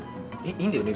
いいんだよね？